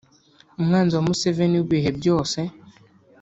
umwanzi wa Museveni w’ibihe byose